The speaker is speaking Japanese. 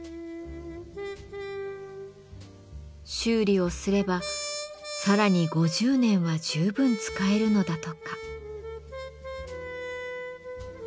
修理をすればさらに５０年は十分使えるのだとか。